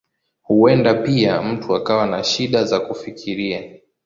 Huenda pia mtu akawa na shida za kufikiria.